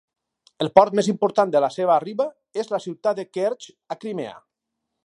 El port més important de la seva riba és la ciutat de Kertx, a Crimea.